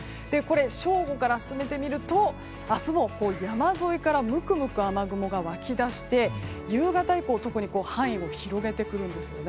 正午から進めてみると明日も山沿いからむくむく雨雲が湧き出して、夕方以降特に範囲を広げてくるんです。